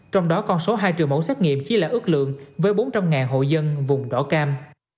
trong đó con số hai trường mẫu xét nghiệm chỉ là ước lượng với bốn trăm linh hộ dân vùng đỏ cam